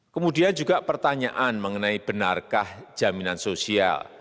kemudian juga pertanyaan mengenai benarkah jaminan sosial